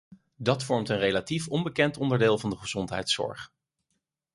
Dat vormt een relatief onbekend onderdeel van de gezondheidszorg.